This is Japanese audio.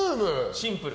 シンプル。